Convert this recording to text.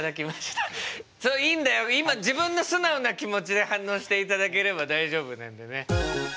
今自分の素直な気持ちで反応していただければ大丈夫なんでね。